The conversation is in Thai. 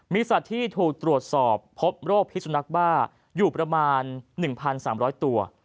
มีสัตว์ที่ถูกตรวจสอบพบโรคพิสุนักบ้าอยู่ประมาณ๑๓๐๐ตัว